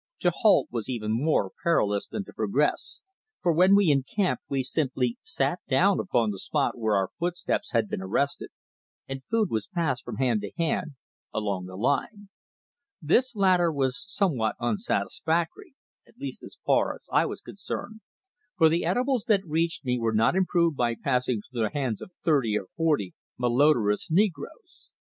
To halt was even more perilous than to progress, for when we encamped we simply sat down upon the spot where our footsteps had been arrested, and food was passed from hand to hand along the line. This latter was somewhat unsatisfactory, at least as far as I was concerned, for the eatables that reached me were not improved by passing through the hands of thirty or forty malodorous negroes.